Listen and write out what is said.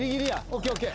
ＯＫＯＫ。